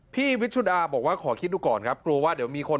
พี่วิชุดาบอกว่าขอคิดดูก่อนครับกลัวว่าเดี๋ยวมีคน